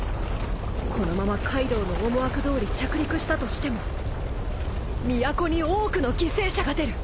このままカイドウの思惑どおり着陸したとしても都に多くの犠牲者が出る。